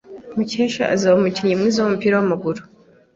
Mukesha azaba umukinnyi mwiza wumupira wamaguru.